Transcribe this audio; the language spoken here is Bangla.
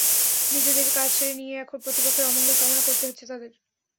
নিজেদের কাজ সেরে নিয়ে এখন প্রতিপক্ষের অমঙ্গল কামনা করতে হচ্ছে তাদের।